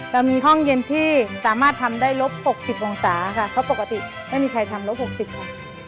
เรามีห้องเย็นที่สามารถทำได้ลบ๖๐องศาค่ะเพราะปกติไม่มีใครทำลบ๖๐ค่ะ